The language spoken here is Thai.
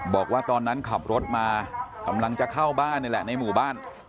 บอกว่าตอนนั้นขับรถมากำลังจะเข้าบ้านนี่แหละในหมู่บ้าน